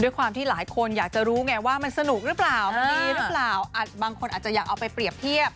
ด้วยความที่หลายคนอยากจะรู้ไงว่ามันสนุกหรือเปล่ามันดีหรือเปล่าบางคนอาจจะอยากเอาไปเปรียบเทียบ